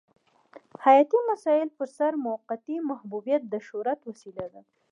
حیاتي مسایلو پرسر موقتي محبوبیت د شهرت وسیله ده.